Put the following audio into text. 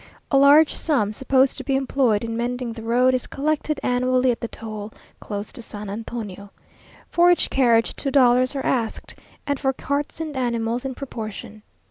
A large sum, supposed to be employed in mending the road, is collected annually at the toll, close to San Antonio. For each carriage two dollars are asked, and for carts and animals in proportion.